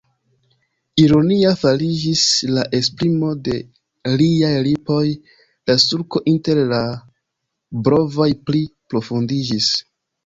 Ironia fariĝis la esprimo de liaj lipoj, la sulko inter la brovoj pli profundiĝis.